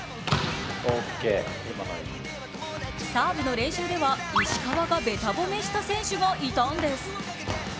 サーブの練習では石川がべた褒めした選手がいたんです。